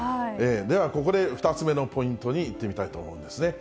ではここで、２つ目のポイントにいってみたいと思うんですね。